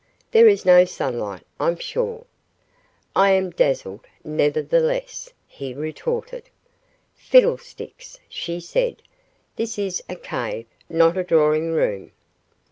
There is no sunlight, I'm sure." "I am dazzled, nevertheless," he retorted. "Fiddlesticks!" she said. "This is a cave, not a drawing room."